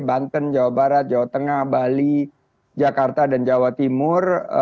banten jawa barat jawa tengah bali jakarta dan jawa timur